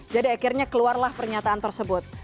jadi akhirnya keluarlah pernyataan tersebut